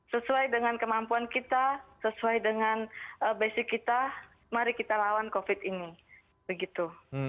sesuai dengan kemampuan kita sesuai dengan basic kita mari kita lawan covid ini begitu